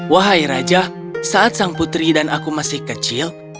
wahai raja saat sang putri dan aku masih kecil